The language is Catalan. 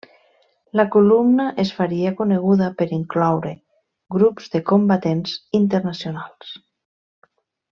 La columna es faria coneguda per incloure grups de combatents internacionals.